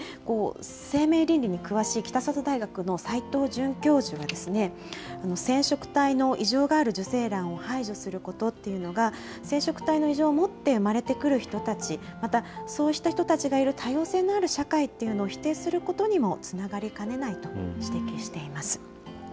生命倫理に詳しい北里大学の齋藤准教授は、染色体の異常がある受精卵を排除することっていうのが、染色体の異常を持って生まれてくる人たち、またそうした人たちがいる多様性のある社会というのを否定することにもつながりかねないと指摘しています。